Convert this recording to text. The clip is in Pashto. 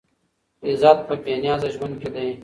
عزت په بې نیازه ژوند کې دی.